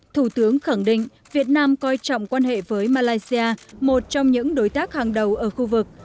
thủ tướng khẳng định việt nam coi trọng quan hệ với malaysia một trong những đối tác hàng đầu ở khu vực